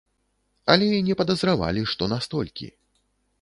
Але і не падазравалі, што настолькі.